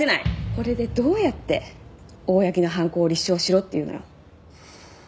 これでどうやって大八木の犯行を立証しろっていうのよ。